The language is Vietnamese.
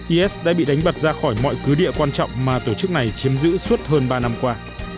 is đã bị đánh bật ra khỏi mọi cứ địa quan trọng mà tổ chức này chiếm giữ suốt hơn ba năm qua